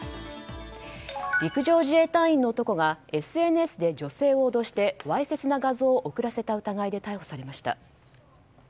陸上自衛隊員の男が、ＳＮＳで女性を脅して、わいせつな画像を送らせた疑いで逮捕されました。